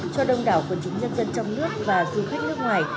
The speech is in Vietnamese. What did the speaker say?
cho đông đảo quần chúng nhân dân trong nước và du khách nước ngoài